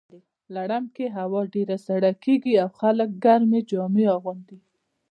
لړم کې هوا سړه کیږي او خلک ګرمې جامې اغوندي.